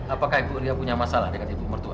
apakah ibu ria punya masalah dengan ibu mertua